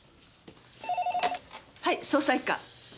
はい捜査一課。